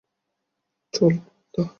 চল, কুত্তা।